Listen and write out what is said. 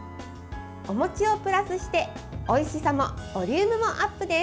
おもちをプラスして、おいしさもボリュームもアップです。